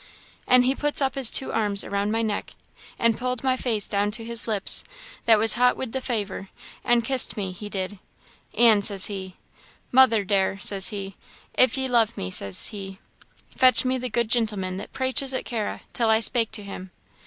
An' he put up his two arms around my neck, an' pulled my face down to his lips, that was hot wid the faver, an' kissed me he did 'An',' says he, 'mother dair,' says he 'if ye love me,' says he, 'fetch me the good gintleman that praiches at Carra, till I spake to him.'